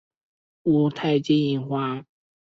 五台金银花